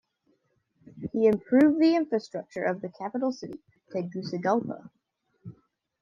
He improved the infrastructure of the capital city, Tegucigalpa.